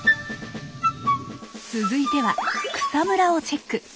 続いては草むらをチェック。